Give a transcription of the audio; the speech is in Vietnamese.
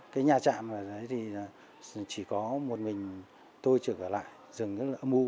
cái nhà trạm ở đấy thì chỉ có một mình tôi trưởng ở lại rừng rất là mưu